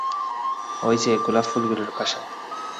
ঐ যে, গোলাপ ফুলগুলোর পাশে।